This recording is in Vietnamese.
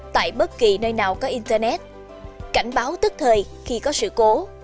tại bất kỳ nơi nào có internet cảnh báo tức thời khi có sự cố